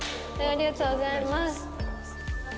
ありがとうございます。